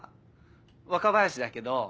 若林だけど。